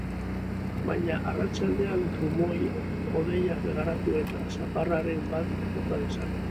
Baina arratsaldean trumoi-hodeiak garatu eta zaparradaren bat bota dezake.